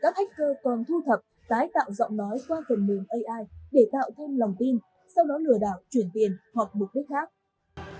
sau đó lừa đảo chuyển tiền hoặc bục đích khác